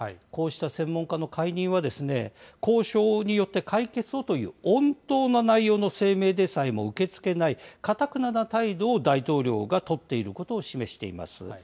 こうした専門家の解任は、交渉によって解決をという穏当な内容の声明でさえも受け付けない、かたくなな態度を大統領が取っていることを示しています。